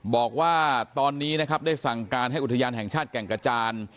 บอกว่าตอนนี้นะครับได้สั่งการให้อุทยานแห่งชาติแก่งกระจาน